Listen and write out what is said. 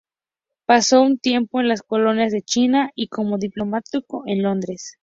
Pasó un tiempo en las colonias de China y como diplomático en Londres.